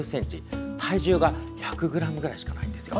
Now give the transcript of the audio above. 体重が１００ｇぐらいしかないんですよ。